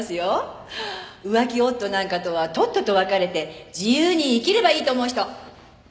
「浮気夫なんかとはとっとと別れて自由に生きればいいと思う人？」